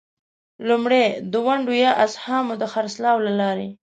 لومړی: د ونډو یا اسهامو د خرڅلاو له لارې.